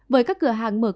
với các cửa hàng mở cửa